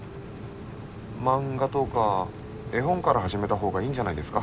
漫画とか絵本から始めた方がいいんじゃないですか？